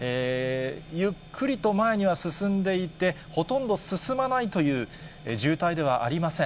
ゆっくりと前には進んでいて、ほとんど進まないという、渋滞ではありません。